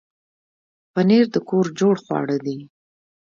پنېر د کور جوړ خواړه دي.